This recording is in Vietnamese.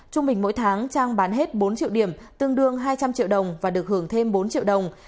trung bình mỗi tháng trang bán hết bốn triệu điểm tương đương hai trăm linh triệu đồng và được hưởng thêm bốn triệu đồng